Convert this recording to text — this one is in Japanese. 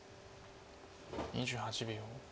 ２８秒。